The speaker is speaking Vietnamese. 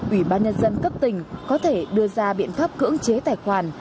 ủy ban nhân dân cấp tỉnh có thể đưa ra biện pháp cưỡng chế tài khoản